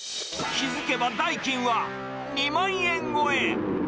気付けば、代金は２万円超え。